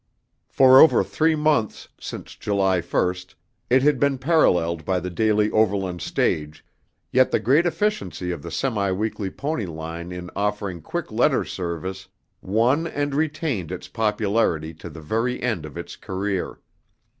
For over three months since July 1, it had been paralleled by the daily overland stage; yet the great efficiency of the semi weekly pony line in offering quick letter service won and retained its popularity to the very end of its career.